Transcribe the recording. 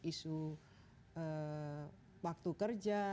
isu waktu kerja